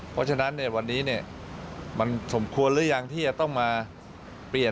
ก็จะนำเสนอเรียนท่านนายกและคอลโมว่าภารกิจของกรมฝนหลวงเนี่ย